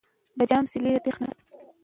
د جام څلی د تاريخ نښه ده.